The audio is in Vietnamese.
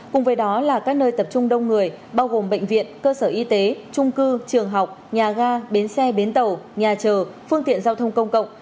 cùng với đó là các nơi tập trung đông người bao gồm bệnh viện cơ sở y tế trung cư trường học nhà ga bến xe bến tàu nhà chờ phương tiện giao thông công cộng